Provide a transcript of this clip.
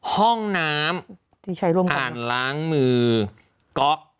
ห้องน้ำอ่านล้างมือก๊อก